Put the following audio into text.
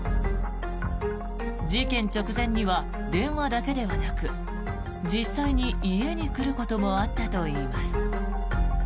事件直前には電話だけではなく実際に家に来ることもあったといいます。